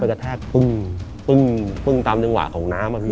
กระแทกปึ้งตามจังหวะของน้ำอะพี่